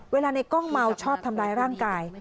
ในกล้องเมาชอบทำร้ายร่างกาย